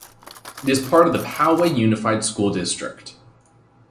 It is part of the Poway Unified School District.